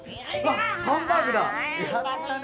ッハンバーグだやったね